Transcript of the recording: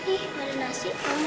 ih ada nasi